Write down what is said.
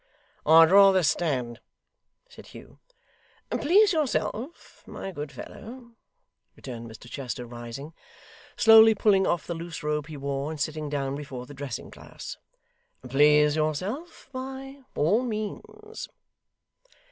'I'd rather stand,' said Hugh. 'Please yourself my good fellow,' returned Mr Chester rising, slowly pulling off the loose robe he wore, and sitting down before the dressing glass. 'Please yourself by all means.